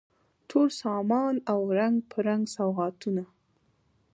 ټول سامان او رنګ په رنګ سوغاتونه